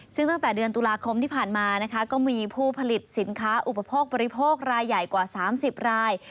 ซึ่งตั้งแต่เดือนตุลาคมที่ผ่านมานะคะก็มีผู้ผลิตสินค้าอุปโภคบริโภครายใหญ่กว่า๓๐ราย